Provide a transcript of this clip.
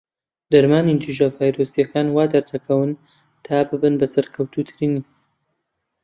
دەرمانی دژە ڤایرۆسیەکان وادەردەکەون تا ببن بە سەرکەوتووترین.